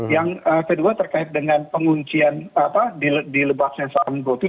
yang kedua terkait dengan penguncian di lebaknya saham goti